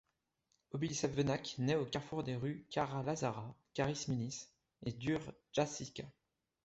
Obilićev venac naît au carrefour des rues Cara Lazara, Carice Milice et Đure Jakšića.